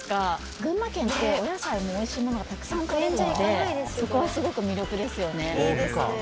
群馬県ってお野菜も美味しいものがたくさんとれるのでそこはすごく魅力ですよね。